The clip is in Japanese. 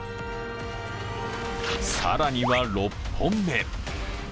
更には６本目。